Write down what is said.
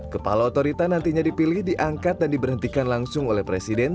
kepala otorita nantinya dipilih diangkat dan diberhentikan langsung oleh presiden